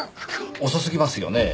遅すぎますよねぇ。